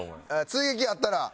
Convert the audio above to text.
追撃あったら。